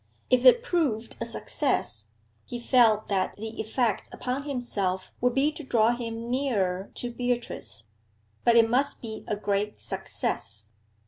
If it proved a success, he felt that the effect upon himself would be to draw him nearer to Beatrice; but it must be a great success.